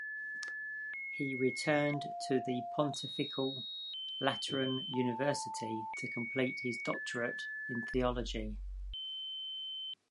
He returned to the Pontifical Lateran University to complete his doctorate in theology.